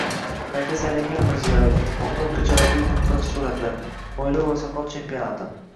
Qayta saylangan Mirziyoyev, Bag‘dod ko‘chalaridagi umidbaxsh suratlar, mo‘ylov va soqol chempionati